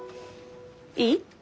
いい？